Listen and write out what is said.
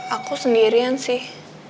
aku sendirian sih